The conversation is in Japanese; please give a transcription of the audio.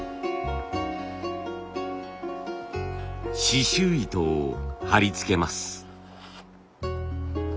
刺しゅう糸を貼り付けます。